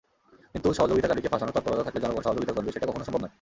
কিন্তু সহযোগিতাকারীকে ফাঁসানোর তৎপরতা থাকলে জনগণ সহযোগিতা করবে, সেটা কখনো সম্ভব নয়।